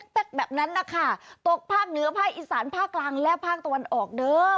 เจ็กแบบนั้นค่ะตกภาคเหนือภายสารภาคกลางและฟากตะวันออก